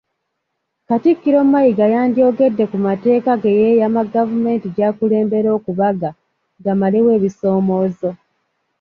Katikkiro Mayiga yandyogedde ku mateeka ge yeeyama Gavumenti gy'akulembera okubaga, gamalewo ebisoomoozo.